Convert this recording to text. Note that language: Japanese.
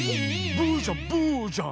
ブーじゃんブーじゃん。